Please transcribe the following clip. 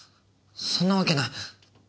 そんなわけない。